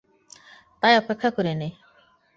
তাই অপেক্ষা করিনি।